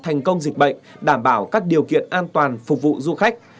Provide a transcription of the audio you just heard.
thành công dịch bệnh đảm bảo các điều kiện an toàn phục vụ du khách